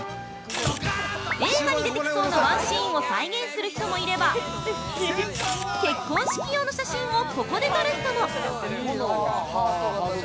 映画に出てきそうなワンシーンを再現する人もいれば、結婚式用の写真をここで撮る人も。